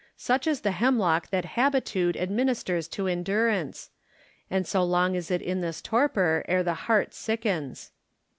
Such is the hemlock that habitude administers to endurance ; and so long is it in this torpor ere the heart sickens.